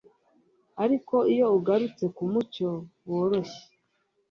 Ariko iyo ugarutse kumucyo woroshye